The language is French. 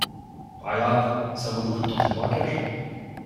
Pas grave, ça vaut le coup de tenter le braquage.